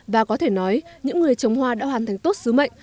và có thể nói những người trồng hoa đã hoàn thành tốt sứ mệnh